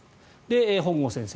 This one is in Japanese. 本郷先生